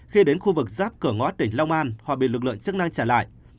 khi đến khu vực giáp cửa ngót tỉnh long an họ bị lực lượng chức năng trả lại